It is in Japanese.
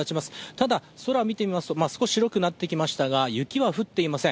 ただ、空を見てみますと、少し白くなってきましたが雪は降っていません。